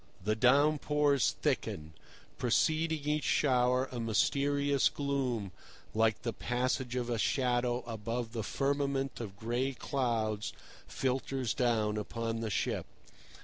The down pours thicken. Preceding each shower a mysterious gloom, like the passage of a shadow above the firmament of gray clouds, filters down upon the ship.